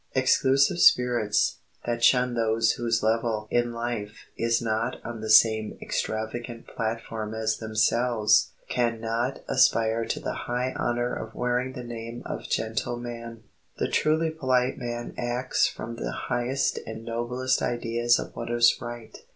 Exclusive spirits, that shun those whose level in life is not on the same extravagant platform as themselves, can not aspire to the high honor of wearing the name of gentleman. The truly polite man acts from the highest and noblest ideas of what is right.